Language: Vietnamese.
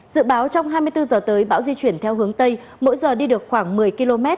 dự báo trong hai mươi bốn h tới bão di chuyển theo hướng tây mỗi giờ đi được khoảng một mươi km